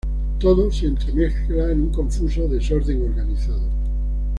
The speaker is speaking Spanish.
Todo se entremezcla en un confuso desorden organizado.